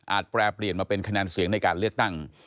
แปรเปลี่ยนมาเป็นคะแนนเสียงในการเลือกตั้ง